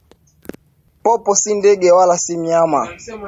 Popo si ndege wala si nyama